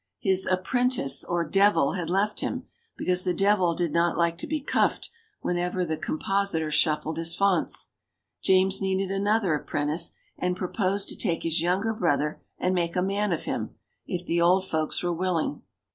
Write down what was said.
His apprentice, or "devil," had left him, because the devil did not like to be cuffed whenever the compositor shuffled his fonts. James needed another apprentice, and proposed to take his younger brother and make a man of him if the old folks were willing.